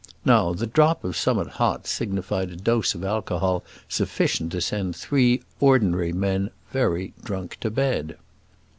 Now the drop of som'at hot signified a dose of alcohol sufficient to send three ordinary men very drunk to bed.